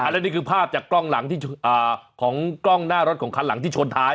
แล้วนี่คือภาพจากกล้องหน้ารถของคันหลังที่ชนท้าย